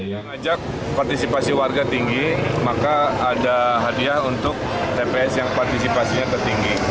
yang ajak partisipasi warga tinggi maka ada hadiah untuk tps yang partisipasinya tertinggi